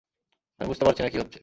আমি বুঝতে পারছি না, কি হচ্ছে!